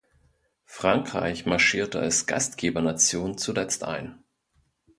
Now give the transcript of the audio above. Frankreich marschierte als Gastgebernation zuletzt ein.